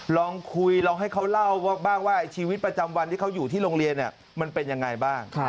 ลองคุยลองให้เขาเล่าบ้างว่าชีวิตประจำวันที่เขาอยู่ที่โรงเรียนมันเป็นยังไงบ้าง